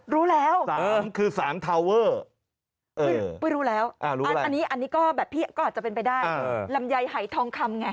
รู้แล้วเอออันนี้ก็แบบพี่ก็อาจจะเป็นไปได้ลำไยไห่ทองคำไง